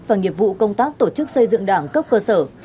và nghiệp vụ công tác tổ chức xây dựng đảng cấp cơ sở